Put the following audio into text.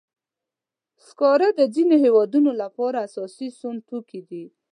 سکاره د ځینو هېوادونو لپاره اساسي سون توکي دي.